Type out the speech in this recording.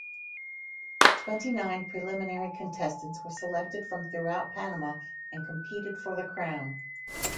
Twenty nine preliminary contestants were selected from throughout Panama and competed for the crown.